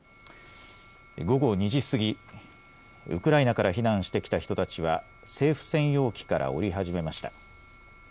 午後２時過ぎ、ウクライナから避難してきた人たちは政府専用機から降り始めました。